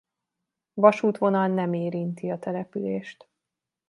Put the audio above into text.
Vasútvonal nem érinti a települést.